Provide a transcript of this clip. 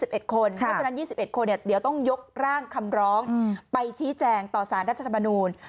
เพราะฉะนั้น๒๑คนเดี๋ยวต้องยกร่างคำร้องไปชี้แจงต่อสารรัฐธรรมนูล